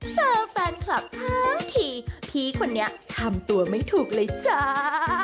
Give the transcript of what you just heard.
เจอแฟนคลับทั้งทีพี่คนนี้ทำตัวไม่ถูกเลยจ้า